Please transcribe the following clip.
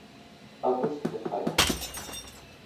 August gefeiert.